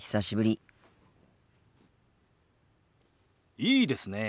いいですねえ。